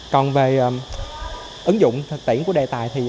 còn về ứng dụng thực tiễn của đề tài